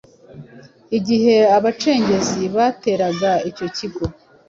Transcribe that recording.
igihe abacengezi bateraga icyo kigo